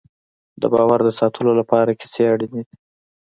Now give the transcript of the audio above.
د باور د ساتلو لپاره کیسې اړینې دي.